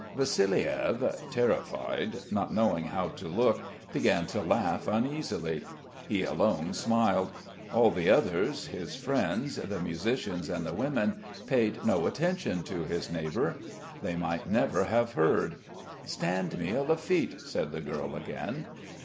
Vassiliev, terrified, not knowing how to look, began to laugh uneasily. He alone smiled: all the others, his friends, the musicians and the women paid no attention to his neighbour. They might never have heard. "Stand me a Lafitte," said the girl again.